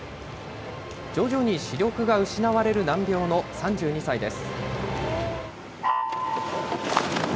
徐々に視力が失われる難病の３２歳です。